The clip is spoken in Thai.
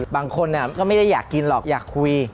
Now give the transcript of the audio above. บางคนก็ไม่ได้อยากกินหรอกอยากคุย